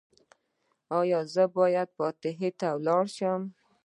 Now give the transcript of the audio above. ایا زه باید فاتحې ته لاړ شم؟